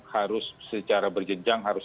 harus secara berjenjang harus